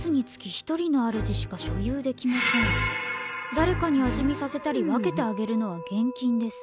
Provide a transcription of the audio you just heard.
「だれかに味見させたり分けてあげるのは厳禁です